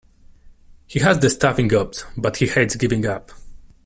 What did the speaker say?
He has the stuff in gobs, but he hates giving up.